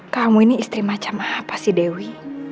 kamu ini istri macam apa sih dewi